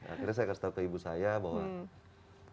akhirnya saya kasih tahu ke ibu saya bahwa